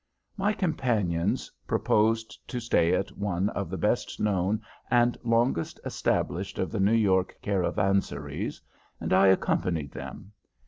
My companions proposed to stay at one of the best known and longest established of the New York caravansaries, and I accompanied them.